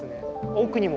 奥にも。